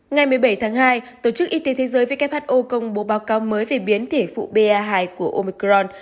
ngày một mươi bảy tháng hai tổ chức y tế thế giới who công bố báo cáo mới về biến thể phụ ba hai của omicron